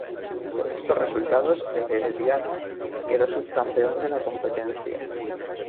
Con estos resultados, el Herediano quedó subcampeón de la competencia.